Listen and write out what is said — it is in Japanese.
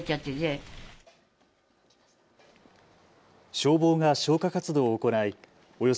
消防が消火活動を行い、およそ